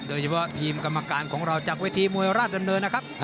โดยเฉพาะทีมกรรมการของเราจากเวทีมวยราชดำเนินนะครับ